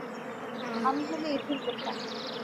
আমি হলে এই ভুল করতাম না।